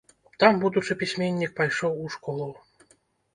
Там будучы пісьменнік пайшоў у школу.